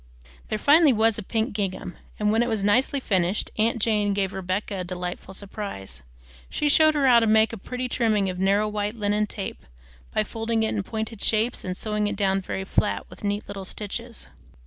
There finally was a pink gingham, and when it was nicely finished, aunt Jane gave Rebecca a delightful surprise. She showed her how to make a pretty trimming of narrow white linen tape, by folding it in pointed shapes and sewing it down very flat with neat little stitches.